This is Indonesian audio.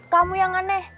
kamu yang aneh